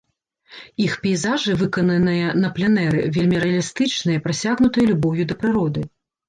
Іх пейзажы, выкананыя на пленэры, вельмі рэалістычныя, прасякнутыя любоўю да прыроды.